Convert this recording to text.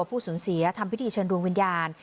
ผู้สูญเสียทำพิธีเชิญดวงวิญญาณ